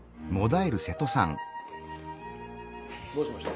どうしました？